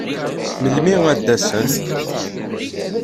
Melmi ad d-asen?